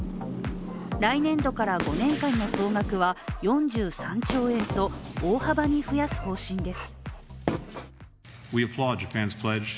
来年度から５年間の総額は４３兆円と大幅に増やす方針です。